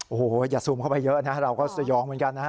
โอ้โหอย่าซูมเข้าไปเยอะนะเราก็สยองเหมือนกันนะฮะ